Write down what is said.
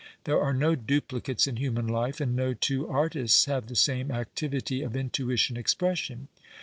There are no duplicates in human life and no two artists have tiie same activity of intuition expression.